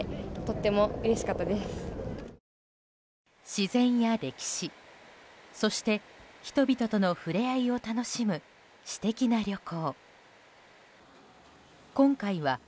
自然や歴史、そして人々との触れ合いを楽しむ私的な旅行。